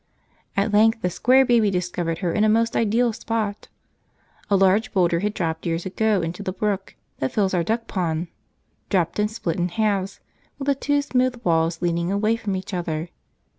At length the Square Baby discovered her in a most ideal spot. A large boulder had dropped years ago into the brook that fills our duck pond; dropped and split in halves with the two smooth walls leaning away from each other.